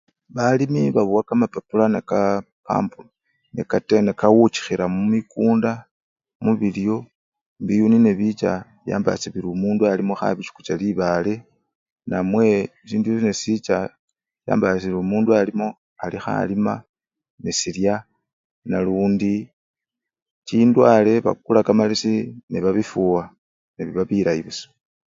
Balimi babowa kamapapula neka! ne! nekawuchikhila mumikunda mubilyo, biyuni nebicha byambasya biri omundu alimo khabichukucha libale namwe sindu nesicha, syambasya sili omundu alimo alikhalima nesirya nalundi, chindwale babukula kamalesi nebabifuwa nebiba bilayi busa.